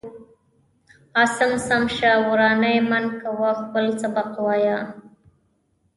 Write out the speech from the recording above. عاصم سم شه وراني من كوه خپل سبق وايا.